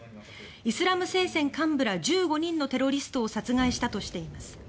イスラム聖戦幹部ら１５人のテロリストを殺害したとしています。